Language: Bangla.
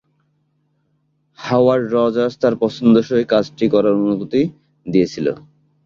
হাওয়ার্ড: 'রজার্স তার পছন্দসই কাজটি করার অনুমতি দিয়েছিল।